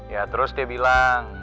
ya terus dia bilang